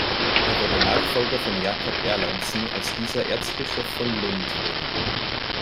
Er wurde Nachfolger von Jakob Erlandsen, als dieser Erzbischof von Lund wurde.